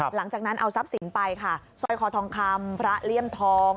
หลังจากนั้นเอาทรัพย์สินไปค่ะสร้อยคอทองคำพระเลี่ยมทอง